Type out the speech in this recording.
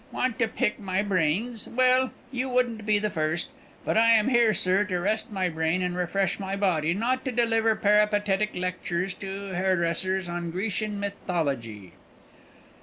"Want to pick my brains; well, you wouldn't be the first. But I am here, sir, to rest my brain and refresh my body, not to deliver peripatetic lectures to hairdressers on Grecian mythology."